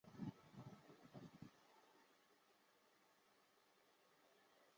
詹蒂亚神庙是位于地中海戈佐岛上的新石器时代巨石庙。